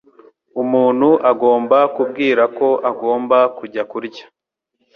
Umuntu agomba kubwira ko agomba kujya kurya.